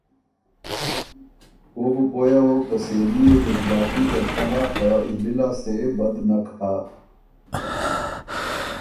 او بُو پویٛ اغوک که سېلي يې جذباتي ځرکۀ هۀ خه زلی لاسته يې بد نک هۀ۔